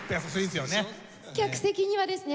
客席にはですね